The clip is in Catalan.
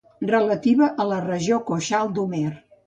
Relativa a la regió coxal d'Homer.